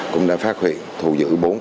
cũng đã phát huyện thu giữ bốn khẩu sát